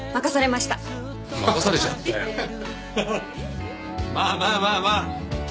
まあまあまあまあ。